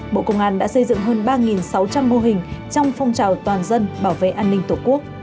bộ công an đã xây dựng hơn ba sáu trăm linh mô hình trong phong trào toàn dân bảo vệ an ninh tổ quốc